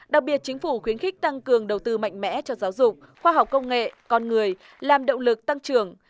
đặc biệt chính phủ khuyến khích tăng cường đầu tư mạnh mẽ cho giáo dục khoa học công nghệ con người làm động lực tăng trưởng